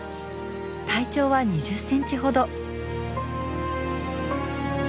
体長は２０センチほど。